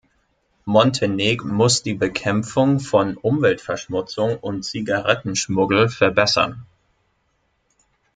Montenegmuss die Bekämpfung von Umweltverschmutzung und Zigarettenschmuggel verbessern.